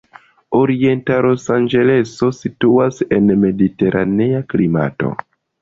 Orienta Losanĝeleso situas en mediteranea klimato.